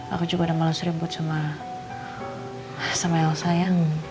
aku juga udah malas ribut sama elsa ya